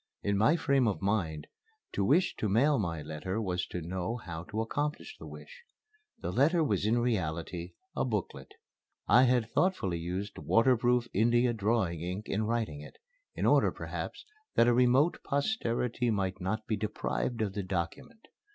In my frame of mind, to wish to mail my letter was to know how to accomplish the wish. The letter was in reality a booklet. I had thoughtfully used waterproof India drawing ink in writing it, in order, perhaps, that a remote posterity might not be deprived of the document.